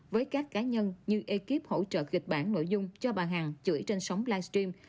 với các cá nhân như ekip hỗ trợ gịch bản nội dung cho bà hằng chửi trên sóng livestream